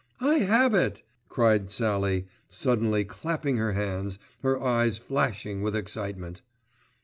"I have it!" cried Sallie suddenly clapping her hands, her eyes flashing with excitement.